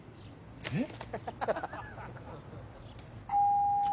えっ？